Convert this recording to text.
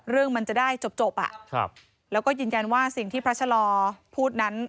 เรื่องมันจะได้จบแล้วก็ยืนยันว่าสิ่งที่พระชะลอพูดนั้น